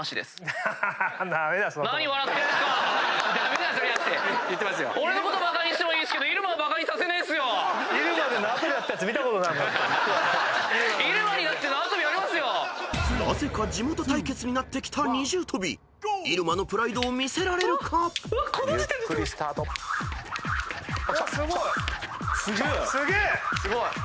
すごい！